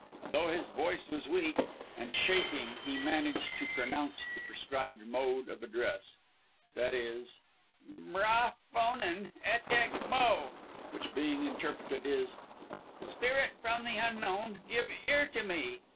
Though his voice was weak and shaking he managed to pronounce the prescribed mode of address, viz.: "Bara phonen etek mo," which being interpreted is, "Spirit from the Unknown, give ear to me."